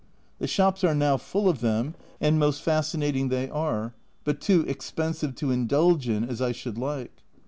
The shops are now full of them, and most fascinating they are, but too expensive to indulge in as I should like.